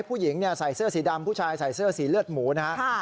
ผู้หญิงใส่เสื้อสีดำผู้ชายใส่เสื้อสีเลือดหมูนะฮะ